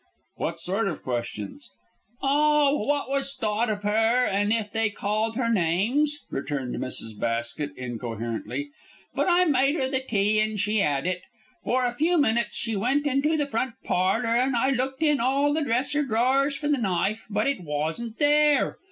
"What sort of questions?" "Oh, what was thought of her, and if they called her names," returned Mrs. Basket, incoherently. "But I made 'er the tea and she 'ad it. For a few minutes she went into the front parlour, and I looked in all the dresser drawers for the knife, but it wasn't there.